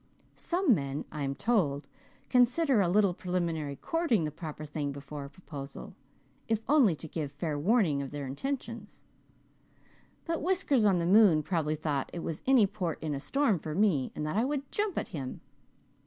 Some men, I am told, consider a little preliminary courting the proper thing before a proposal, if only to give fair warning of their intentions; but Whiskers on the moon probably thought it was any port in a storm for me and that I would jump at him.